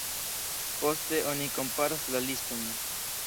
Poste oni komparas la listojn.